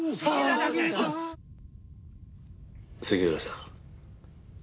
杉浦さん